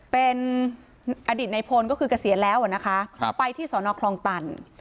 เป็นอดีตในพลก็คือเกษียณแล้วนะคะไปที่สอนอคลองตัน